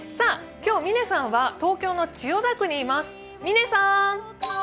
今日、嶺さんは東京の千代田区にいます。